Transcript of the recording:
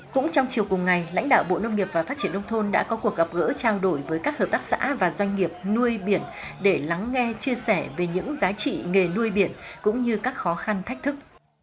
cũng trong chiều cùng ngày lãnh đạo bộ nông nghiệp và phát triển nông thôn đã có cuộc gặp gỡ trao đổi với các hợp tác xã và doanh nghiệp nuôi biển để lắng nghe chia sẻ về những giá trị nghề nuôi biển cũng như các khó khăn thách thức